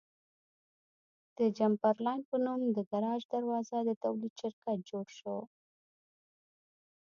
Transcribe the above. د چمبرلاین په نوم د ګراج دروازو د تولید شرکت جوړ شو.